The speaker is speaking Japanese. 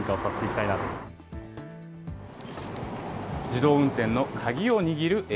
自動運転の鍵を握るＡＩ。